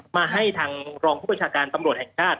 มาให้ทางรองผู้ประชาการตำรวจแห่งชาติ